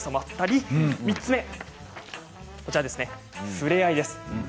３つ目は、ふれあいです。